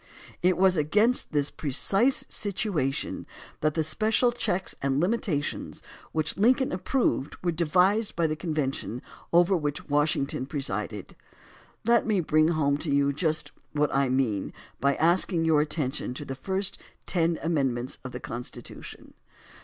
It was against this precise situation that the special checks and limitations which Lincoln approved were devised by the convention over which Washington presided. Let me bring home to you just what I mean by asking your attention to the first ten amendments to the Constitution.